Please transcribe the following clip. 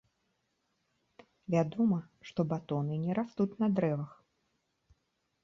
Вядома, што батоны не растуць на дрэвах.